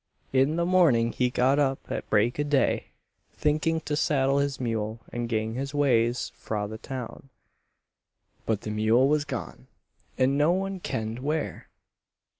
In the morning he got up at break o' day, thinking to saddle his mule and gang his ways fra the town; but the mule was gone, and no one ken'd where!